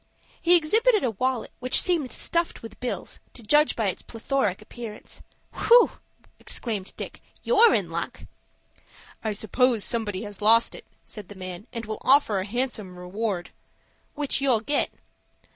He exhibited a wallet which seemed stuffed with bills, to judge from its plethoric appearance. "Whew!" exclaimed Dick; "you're in luck." "I suppose somebody has lost it," said the man, "and will offer a handsome reward." "Which you'll get."